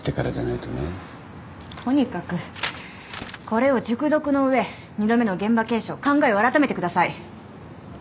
とにかくこれを熟読の上２度目の現場検証考えを改めてください。